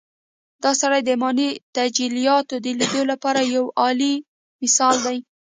دا سړی د ايماني تجلياتود ليدو لپاره يو اعلی مثال دی.